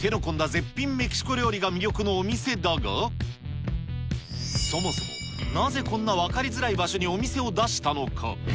絶品メキシコ料理が魅力のお店だが、そもそもなぜこんな分かりづらい場所にお店を出したのか。